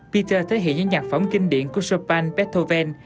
peter thể hiện những nhạc phẩm kinh điển của chopin beethoven